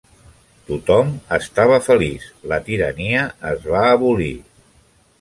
Tothom estava feliç, la tirania es va abolir.